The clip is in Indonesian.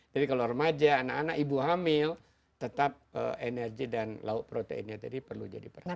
jadi kalau remaja anak anak ibu hamil tetap energi dan lauk proteinnya tadi perlu jadi perhatian